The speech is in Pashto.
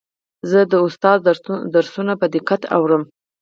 زه د استاد درسونه په دقت اورم.